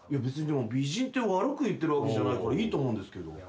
別にでも美人って悪く言ってるわけじゃないからいいと思うんですけど。